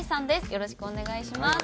よろしくお願いします。